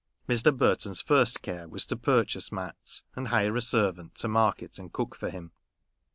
Mr. Burton's first care was to purchase mats, and hire a servant to market and cook for him.